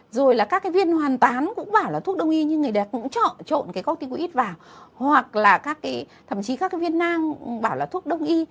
rồi là các cái viên hoàn tán cũng bảo là thuốc đông y nhưng người đẹp cũng trọ trộn cái corticoid vào hoặc là thậm chí các cái viên nang bảo là thuốc đông y